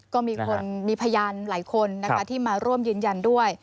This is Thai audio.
ก็มีคนมีพยานหลายคนนะคะที่มาร่วมยืนยันด้วย